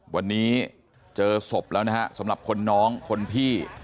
วันนี้เจอศพแล้วนะฮะสำหรับคนน้องคนพี่